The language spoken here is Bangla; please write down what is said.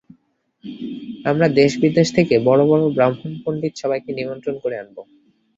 আমরা দেশ বিদেশ থেকে বড়ো বড়ো ব্রাহ্মণ পণ্ডিত সবাইকে নিমন্ত্রণ করে আনব।